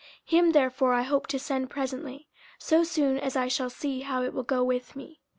50:002:023 Him therefore I hope to send presently, so soon as I shall see how it will go with me.